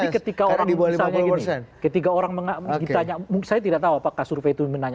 jadi ketika orang ditanya saya tidak tahu apakah survei itu menanya